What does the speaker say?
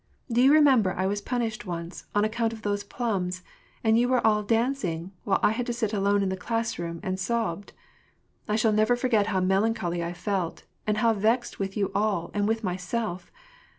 Do you remember I was punished once, on account of those plums, and you were all dancing, while I had to sit alone in the class room, and sobbed ? I shall never forget how melancholy I felt, and how vexed with you all and with myself